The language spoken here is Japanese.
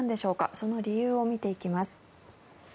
その理由を見ていきます。